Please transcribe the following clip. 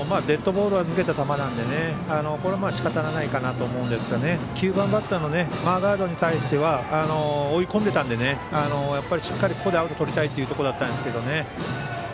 デッドボールは抜けた球なのでこれは仕方ないかなと思うんですが９番バッターのマーガードに対しては追い込んでいたのでしっかりアウトをとりたいというところだったんですけどね。